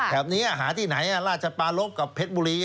แถมนี้หาที่ไหนล่าจะปลารบกับเพชรบุรี